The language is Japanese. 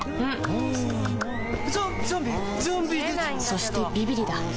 そしてビビリだ